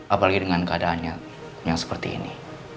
apalagi dengan keadaannya yang seperti ini